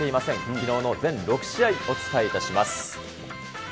きのうの全６試合、お伝えいたします。